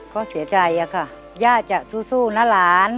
ก็เสียใจอะค่ะย่าจะสู้นะหลาน